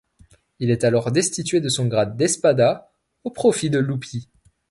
Il est alors destitué de son grade d'espada, au profit de Luppi.